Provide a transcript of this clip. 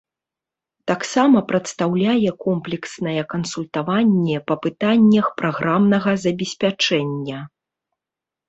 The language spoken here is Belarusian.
Таксама прадастаўляе комплекснае кансультаванне па пытаннях праграмнага забеспячэння.